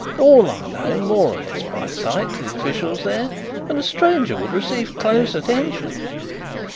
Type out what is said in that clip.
All are known more or less by sight to the officials there, and a stranger would receive close attention.